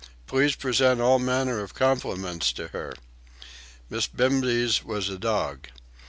Please present all manner of compliments to her." "Miss Bimbes" was a dog.